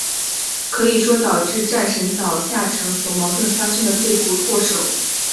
可以说是导致战神岛下沉和矛盾发生的罪魁祸首。